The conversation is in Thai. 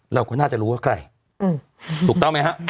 เราก็น่าจะรู้ว่าใครถูกต้องไหมฮะ